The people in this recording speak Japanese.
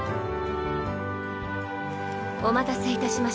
お待たせいたしました。